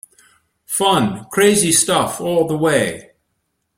Fun, crazy stuff all the way.